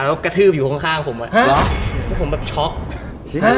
แล้วกระทืบอยู่ข้างข้างผมอ่ะล็อกพวกผมแบบช็อก